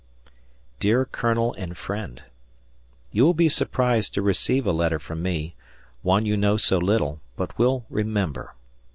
Dear Colonel and Friend: You will be surprised to receive a letter from me, one you know so little, but will remember.